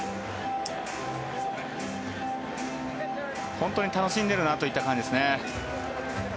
本当に楽しんでいるなといった感じですね。